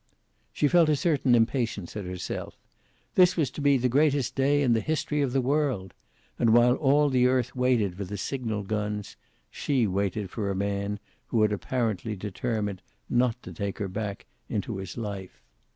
She felt a certain impatience at herself. This was to be the greatest day in the history of the world, and while all the earth waited for the signal guns, she waited for a man who had apparently determined not to take her back into his life.